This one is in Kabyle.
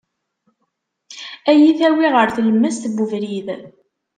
Ad iyi-tawi ɣer tlemmast n ubrid.